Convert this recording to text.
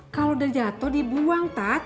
kalo udah jatoh dibuang tat